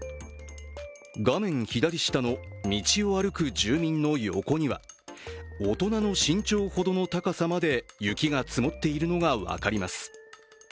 画面左下の、道を歩く住民の横には大人の身長ほどの高さまで雪が積もっているのが分かります。